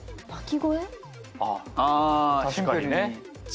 ああ確かにね。